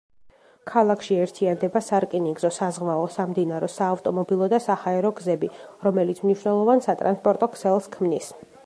ქალაქში ერთიანდება სარკინიგზო, საზღვაო, სამდინარო, საავტომობილო და საჰაერო გზები, რომელიც მნიშვნელოვან სატრანსპორტო ქსელს ქმნის.